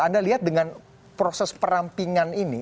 anda lihat dengan proses perampingan ini